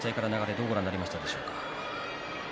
どうご覧になりましたでしょうか。